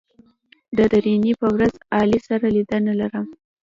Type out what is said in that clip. د درېنۍ په ورځ علي سره لیدنه لرم